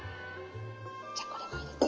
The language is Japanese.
じゃこれも入れて。